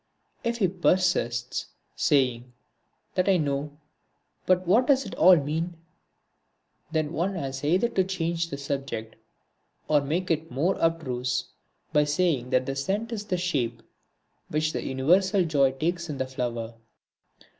If he persists, saying: that I know, but what does it all mean? Then one has either to change the subject, or make it more abstruse by saying that the scent is the shape which the universal joy takes in the flower.